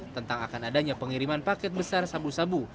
tentang akan adanya pengiriman paket besar sabu sabu